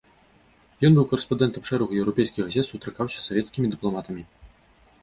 Ён быў карэспандэнтам шэрагу еўрапейскіх газет, сустракаўся з савецкімі дыпламатамі.